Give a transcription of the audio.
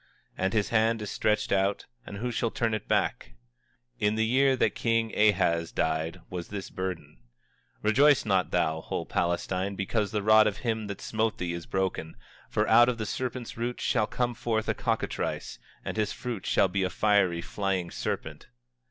And his hand is stretched out, and who shall turn it back? 24:28 In the year that king Ahaz died was this burden. 24:29 Rejoice not thou, whole Palestina, because the rod of him that smote thee is broken; for out of the serpent's root shall come forth a cockatrice, and his fruit shall be a fiery flying serpent.